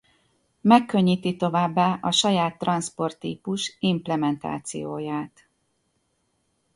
Megkönnyíti továbbá a saját transzport típus implementációját.